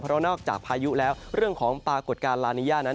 เพราะนอกจากพายุแล้วเรื่องของปรากฏการณ์ลานิยานั้น